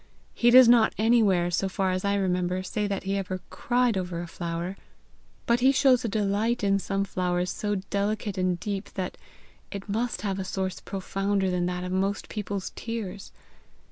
He does not anywhere, so far as I remember, say that ever he cried over a flower, but he shows a delight in some flowers so delicate and deep that it must have a source profounder than that of most people's tears.